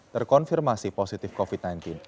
terkonfirmasi positif covid sembilan belas